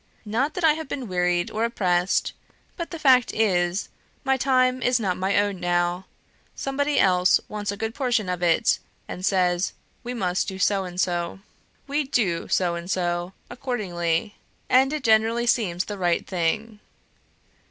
Not that I have been wearied or oppressed; but the fact is, my time is not my own now; somebody else wants a good portion of it, and says, 'we must do so and so.' We DO so and so, accordingly; and it generally seems the right thing.